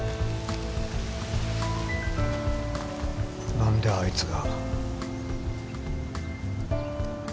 なんであいつが？